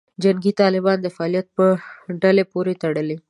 جنګي طالبانو فعالیت په دې ډلې پورې تړلې.